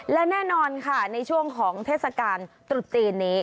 และแน่นอนค่ะในช่วงของเทศกาลตรุษจีนนี้